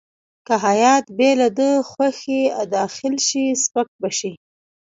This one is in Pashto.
که هیات بې له ده خوښې داخل شي سپک به شي.